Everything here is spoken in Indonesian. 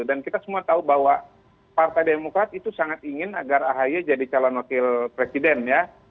dan kita semua tahu bahwa partai demokrat itu sangat ingin agar ahy jadi calon notil presiden ya